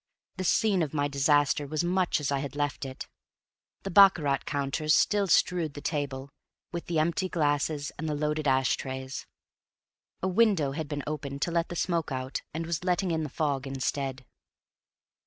The scene of my disaster was much as I had left it. The baccarat counters still strewed the table, with the empty glasses and the loaded ash trays. A window had been opened to let the smoke out, and was letting in the fog instead.